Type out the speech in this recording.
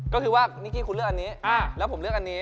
ก็คือว่านิกกี้คุณเลือกอันนี้แล้วผมเลือกอันนี้